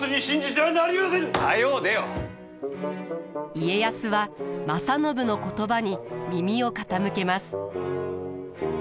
家康は正信の言葉に耳を傾けます。